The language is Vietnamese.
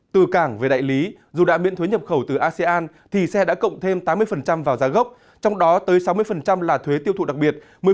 từ cảng về đại lý dù đã miễn thuế nhập khẩu từ asean thì xe đã cộng thêm tám mươi vào giá gốc trong đó tới sáu mươi là thuế tiêu thụ đặc biệt